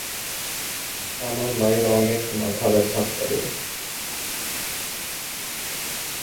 আমার মায়ের অনেক মাথা ব্যথা করে।